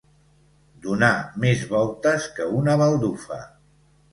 Donar més voltes que una baldufa.